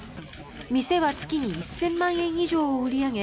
店は月に１０００万円以上を売り上げ